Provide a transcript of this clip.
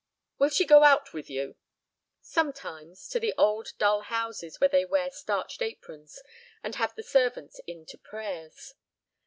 "Will she go out with you?" "Sometimes. To the old, dull houses where they wear starched aprons and have the servants in to prayers."